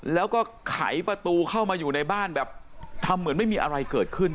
แล้วก็ไขประตูเข้ามาอยู่ในบ้านแบบทำเหมือนไม่มีอะไรเกิดขึ้น